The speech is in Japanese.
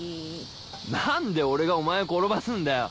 何で俺がお前を転ばすんだよ。